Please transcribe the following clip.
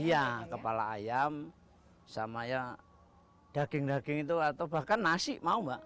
iya kepala ayam sama ya daging daging itu atau bahkan nasi mau mbak